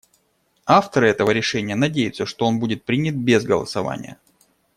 Авторы этого решения надеются, что он будет принят без голосования.